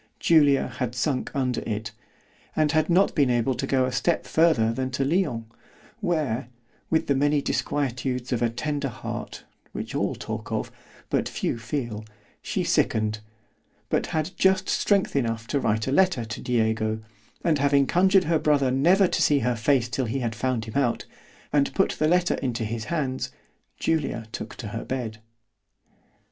——Julia had sunk under it——and had not been able to go a step farther than to Lyons, where, with the many disquietudes of a tender heart, which all talk of——but few feel—she sicken'd, but had just strength to write a letter to Diego; and having conjured her brother never to see her face till he had found him out, and put the letter into his hands, Julia took to her bed.